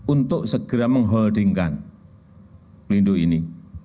untuk segera mengholdingkan pelindo ini